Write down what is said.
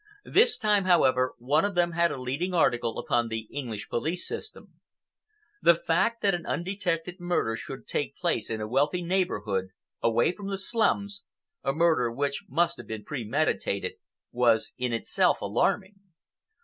This time, however, one of them had a leading article upon the English police system. The fact that an undetected murder should take place in a wealthy neighborhood, away from the slums, a murder which must have been premeditated, was in itself alarming.